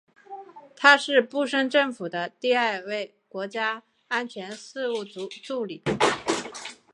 他是布什政府的第二位国家安全事务助理。